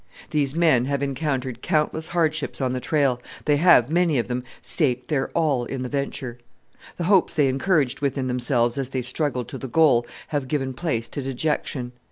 These men have endured countless hardships on the trail: they have many of them staked their all in the venture. The hopes they encouraged within themselves as they struggled to the goal have given place to dejection.